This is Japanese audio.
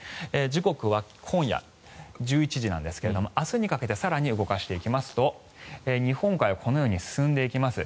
時刻は今夜１１時なんですが明日にかけて更に動かしていきますと日本海をこのように進んでいきます。